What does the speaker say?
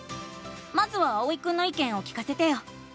まずはあおいくんのいけんを聞かせてよ！